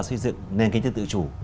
xây dựng nền kinh tế tự chủ